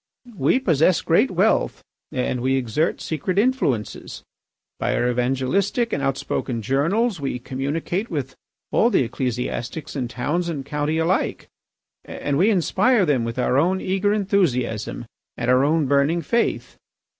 We possess great wealth and we exert secret influences; by our evangelistic and outspoken journals we communicate with all the ecclesiastics in towns and county alike, and we inspire them with our own eager enthusiasm and our own burning faith.